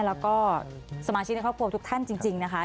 แล้วก็สมาชิกในครอบครัวทุกท่านจริงนะคะ